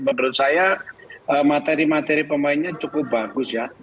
menurut saya materi materi pemainnya cukup bagus ya